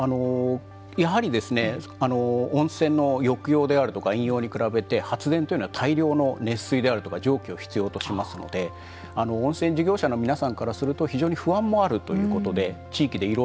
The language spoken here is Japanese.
やはり温泉の浴用であるとか飲用に比べて発電というのは大量の熱水であるとか蒸気を必要としますので温泉事業者の皆さんからすると非常に不安もあるということで地域でいろいろ問題が出ております。